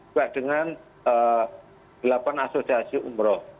juga dengan delapan asosiasi umroh